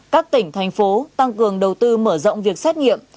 các tỉnh thành phố tăng cường đầu tư mở rộng việc xét nghiệm